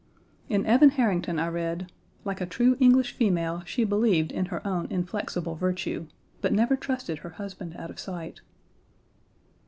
In Evan Harrington I read: "Like a true English female, she believed in her own inflexible virtue, but never trusted her husband out of sight."